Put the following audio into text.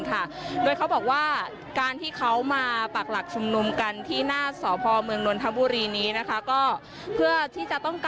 ค่ะโดยเขาบอกว่าการที่เขามาปักหลักชุมนุมกันที่หน้าสพเมืองนนทบุรีนี้นะคะก็เพื่อที่จะต้องการ